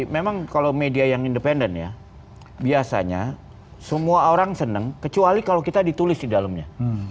memang kalau media yang independen ya biasanya semua orang senang kecuali kalau kita ditulis di dalamnya